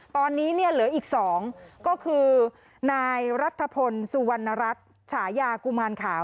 ตอนนี้เนี่ยเหลืออีก๒ก็คือนายรัฐพลสุวรรณรัฐฉายากุมารขาว